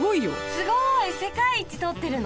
すごい世界一取ってるの？